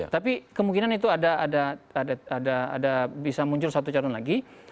tapi kemungkinan itu ada bisa muncul satu calon lagi